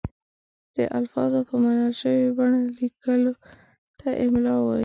د الفاظو په منل شوې بڼه لیکلو ته املاء وايي.